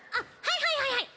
はいはいはいはい。